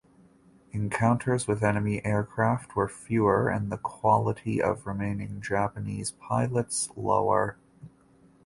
Encounters with enemy aircraft were fewer and the quality of remaining Japanese pilots lower.